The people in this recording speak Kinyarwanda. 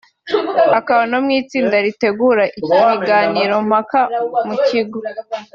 akaba no mu itsinda ritegura ibiganiro mpaka mu kigo